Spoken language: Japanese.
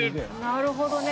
なるほどね。